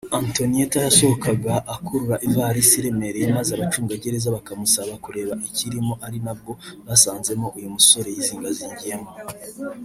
Antonieta yasohokaga akurura ivarisi iremereye maze abacungagereza bakamusaba kureba ikiyirimo ari nabwo basanzemo uyu musore yizingazingiyemo